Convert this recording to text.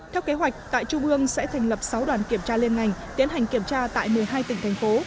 theo kế hoạch tại trung ương sẽ thành lập sáu đoàn kiểm tra liên ngành tiến hành kiểm tra tại một mươi hai tỉnh thành phố